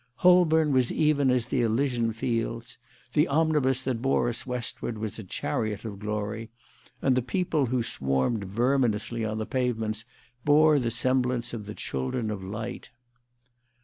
Holborn was even as the Elysian Fields; the omnibus that bore us westward was a chariot of glory; and the people who swarmed verminously on the pavements bore the semblance of the children of light.